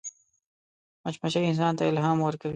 مچمچۍ انسان ته الهام ورکوي